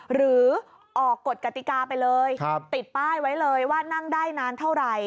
หรือออกกฎกติกาไปเลยติดป้ายไว้เลยว่านั่งได้นานเท่าไหร่